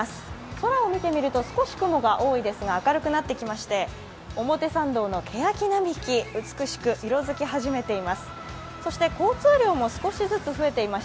空を見てみると少し雲が多いですが明るくなってきまして表参道のけやき並木、美しく色づき始めています。